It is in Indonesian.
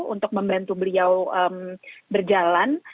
untuk membantu beliau berjalan